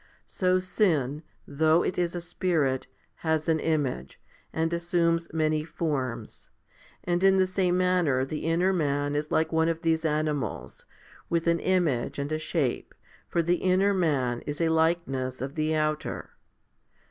So sin, though it is a spirit, has an image, and assumes many forms; and in the same manner the inner man is like one of these animals, with an image and a shape, for the inner man is a likeness of the outer.